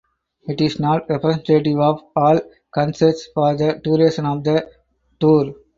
It is not representative of all concerts for the duration of the tour.